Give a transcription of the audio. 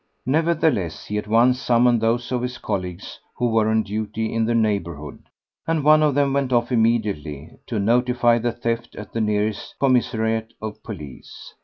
Nevertheless he at once summoned those of his colleagues who were on duty in the neighbourhood, and one of them went off immediately to notify the theft at the nearest commissariat of police.